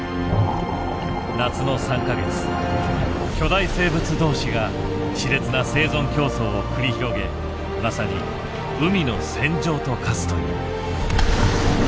夏の３か月巨大生物同士がしれつな生存競争を繰り広げまさに海の戦場と化すという。